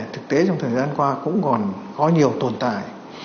thực tế trong thời gian qua cũng còn có nhiều tồn tại